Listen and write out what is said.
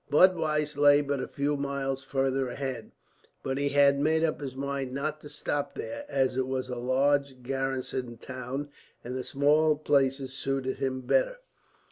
Budweis lay but a few miles farther ahead, but he had made up his mind not to stop there, as it was a large garrisoned town, and the small places suited him better.